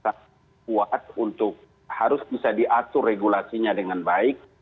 sangat kuat untuk harus bisa diatur regulasinya dengan baik